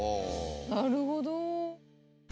なるほど！